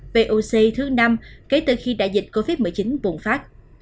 về uc thứ năm kể từ khi đại dịch covid một mươi chín vùng phát